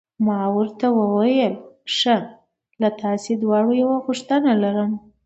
ما ورته وویل: ښه، له تاسي دواړو یوه غوښتنه لرم.